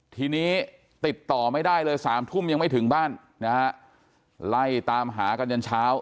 ทีนี้ติดต่อไม่ได้เลยสามทุ่มยังไม่ถึงบ้านนะฮะไล่ตามหากันยันเช้า